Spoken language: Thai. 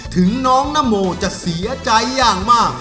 ถึงน้องนโมจะเสียใจอย่างมาก